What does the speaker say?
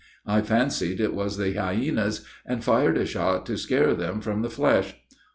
I fancied it was the hyaenas, and fired a shot to scare them from the flesh.